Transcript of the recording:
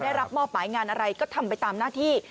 ได้รับมอบหมายงานอะไรก็ทำไปตามหน้าที่